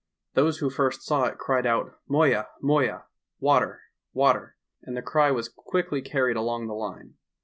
Those who first saw it cried out : ''Moya ! Moya!'^ (Water! Water!), and the cry was quickly carried along the line.